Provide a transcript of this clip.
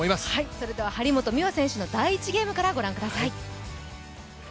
それでは張本美和選手の第１ゲームからご覧ください。